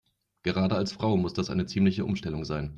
Gerade als Frau muss das eine ziemliche Umstellung sein.